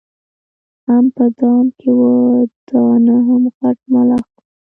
هم په دام کي وه دانه هم غټ ملخ وو